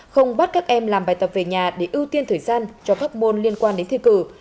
không bắt các em làm bài tập về nhà để ưu tiên thời gian cho các môn liên quan đến thi cử